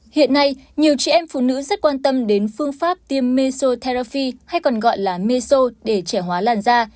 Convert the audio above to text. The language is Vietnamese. hiện nay nhiều chị em phụ nữ rất quan tâm đến phương pháp tiêm mesoraffi hay còn gọi là meso để trẻ hóa làn da